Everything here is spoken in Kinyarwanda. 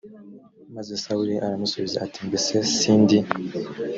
maze sawuli aramusubiza ati mbese sindi